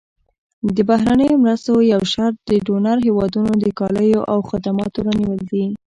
د بهرنیو مرستو یو شرط د ډونر هېوادونو د کالیو او خدماتو رانیول دي.